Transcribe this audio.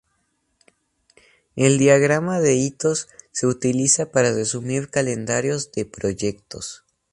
El diagrama de hitos se utiliza para resumir calendarios de proyectos.